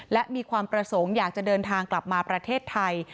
และมีความประสงค์อยากจะเดินทางกลับมาประเทศไทย